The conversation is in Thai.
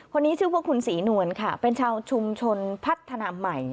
คนนี้ชื่อว่าคุณศรีนวลค่ะเป็นชาวชุมชนพัฒนาใหม่